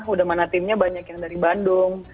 udah mana timnya banyak yang dari bandung